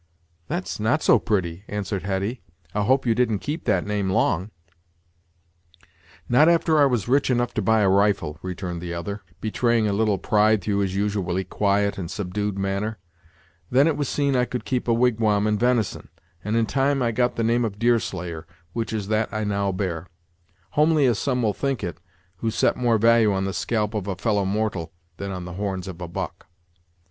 "That's not so pretty," answered Hetty; "I hope you didn't keep that name long." "Not after I was rich enough to buy a rifle," returned the other, betraying a little pride through his usually quiet and subdued manner; "then it was seen I could keep a wigwam in ven'son; and in time I got the name of 'Deerslayer,' which is that I now bear; homely as some will think it, who set more value on the scalp of a fellow mortal than on the horns of a buck."